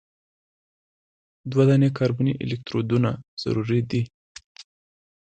دوه دانې کاربني الکترودونه ضروري دي.